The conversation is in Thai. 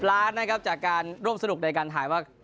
ล้านนะครับจากการร่วมสนุกในการถ่ายว่า